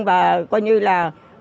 và coi như là